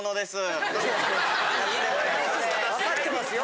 わかってますよ。